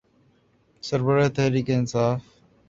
سربراہ تحریک انصاف۔